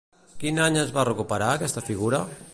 Quin any es va recuperar, aquesta figura?